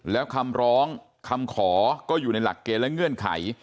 แล้วคำร้องคำขอก็อยู่ในหลักเกณฑ์และเงื่อนไข